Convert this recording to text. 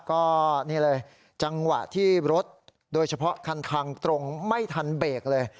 ก็นี่เลยจังหวะที่รถโดยเฉพาะคันทางตรงไม่ทันเบรกเลย